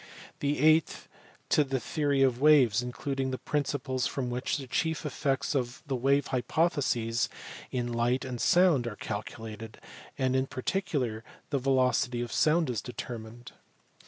The eighth to the theory of waves, including the principles from which the chief effects of the wave hypotheses in light and sound are calculated, and in particular the velocity of sound is determined.